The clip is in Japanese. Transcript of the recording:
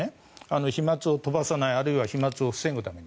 飛まつを飛ばさないあるいは飛まつを防ぐために。